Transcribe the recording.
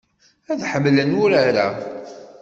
Ad ḥemmlen urar-a.